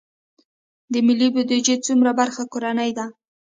د ملي بودیجې څومره برخه کورنۍ ده؟